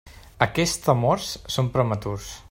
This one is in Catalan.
Aquests temors són prematurs.